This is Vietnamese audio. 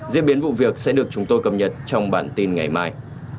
diễn biến vụ việc sẽ được chúng tôi cập nhật trong bản tin ngày mai